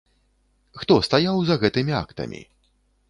Хто стаяў за гэтымі актамі?